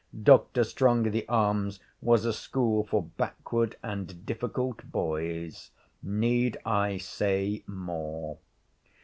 Dr. Strongitharm's was a school 'for backward and difficult boys.' Need I say more?